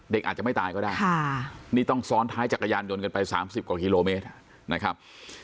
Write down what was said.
เด็กอาจจะไม่ตายก็ได้นี่ต้องซ้อนท้ายจักรยานยนต์กันไป๓๐กว่ากิโลเมตรนะครับ